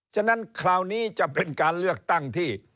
ฉะนั้นคราวนี้จะเป็นการเลือกตั้งที่